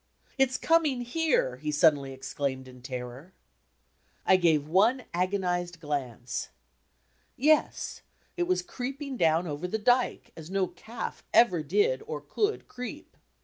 "It's coming here!" he suddenly exclaimed in terror. I gave one agonized glance. Yes! It was creeping down over the dyke, as no calf ever did or could creep.